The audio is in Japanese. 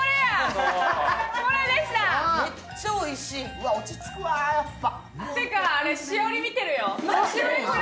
うわ、落ち着くわ、やっぱ。